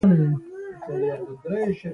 ما ډیر څه زده کړل.